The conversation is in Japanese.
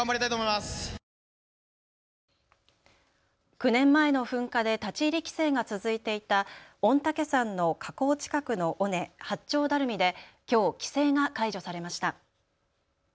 ９年前の噴火で立ち入り規制が続いていた御嶽山の火口近くの尾根、八丁ダルミできょう規制が解除されました。